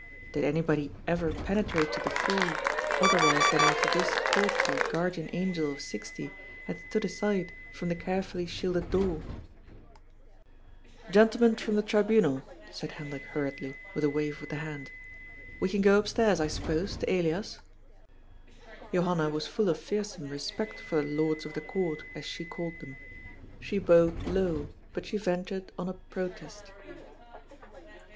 Did anybody ever penetrate to the Fool, otherwise than after this portly guardian angel of sixty had stood aside from the carefully shielded door ?" Gentlemen from the ' Tribunal,' " said Hendrik hur riedly, with a wave of the hand. " We can go up stairs, I suppose, to Elias ?" Johanna was full of fearsome respect for the '' Lords of the Court," as she called them. She bowed low, but she ventured on a protest.